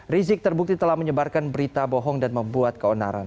rizik terbukti telah menyebarkan berita bohong dan membuat keonaran